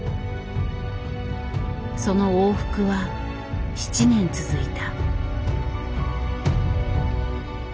その往復は７年続いた。